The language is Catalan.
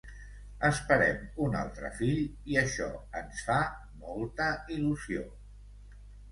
Esperem un altre fill i això ens fa molta il·lusió.